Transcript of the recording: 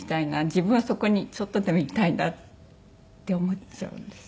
自分はそこにちょっとでもいたいなって思っちゃうんです。